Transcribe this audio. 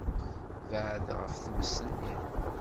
Beεεed ɣef tmes-nni.